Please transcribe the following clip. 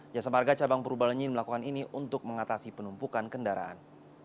jasamarga cabang purbalenyi melakukan ini untuk mengatasi penumpukan kendaraan